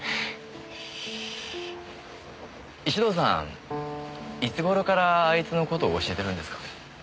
石堂さんいつ頃からあいつの事教えてるんですか？